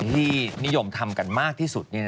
ที่นิยมทำกันมากที่สุด